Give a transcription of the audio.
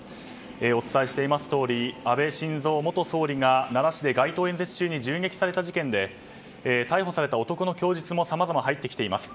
お伝えしていますとおり安倍晋三元総理が奈良市で街頭演説中に銃撃された事件で逮捕された男の供述もさまざま入ってきています。